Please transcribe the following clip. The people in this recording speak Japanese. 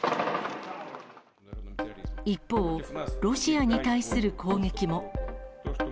一方、ロシアに対する攻撃も。